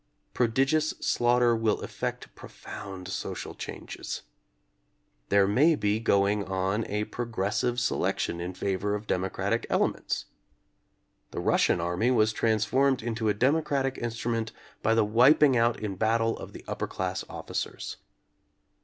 Prodigious slaughter will effect profound social changes. There may be go ing on a progressive selection in favor of demo cratic elements. The Russian army was trans formed into a democratic instrument by the wip ing out in battle of the upper class officers.